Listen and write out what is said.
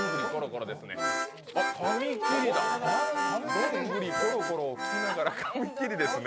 「どんぐりころころ」を聴きながら紙切りですね。